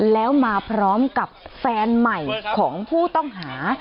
แล้วมาพร้อมกับแฟนใหม่ของผู้ต้องหา